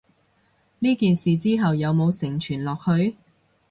呢件事之後有無承傳落去？